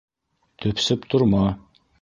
Төпсөп торма.